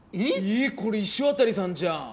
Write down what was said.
えこれ石渡さんじゃん！